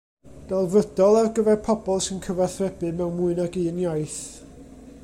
Delfrydol ar gyfer pobl sy'n cyfathrebu mewn mwy nag un iaith.